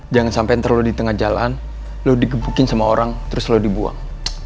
jangan sampai terlalu di tengah jalan lo digebukin sama orang terus lo dibuang